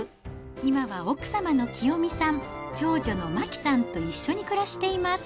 今は奥様のきよみさん、長女のまきさんと一緒に暮らしています。